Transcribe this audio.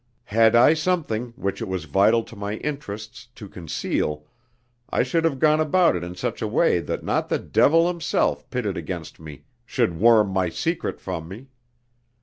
Had I something which it was vital to my interests to conceal, I should have gone about it in such a way that not the devil himself pitted against me should worm my secret from me.